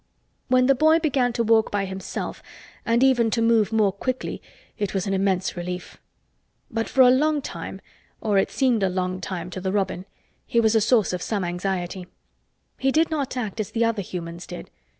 When the boy began to walk by himself and even to move more quickly it was an immense relief. But for a long time—or it seemed a long time to the robin—he was a source of some anxiety. He did not act as the other humans did.